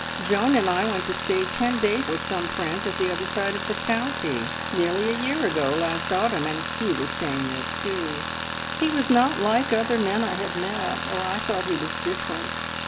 Joan and I went to stay ten days with some friends at the other side of the county, nearly a year ago last autumn, and he was staying there too. He was not like other men I had met, or I thought he was different.